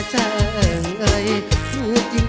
ว่าเชื่อกัน